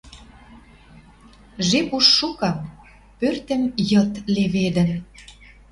Жеп уж шукы. Пӧртӹм йыд леведӹн.